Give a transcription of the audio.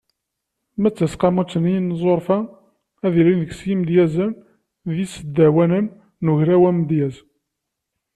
Ma d taseqqamut n yinẓurfa, ad ilin deg-s yimedyazen d yisdawanen n ugraw Amedyez.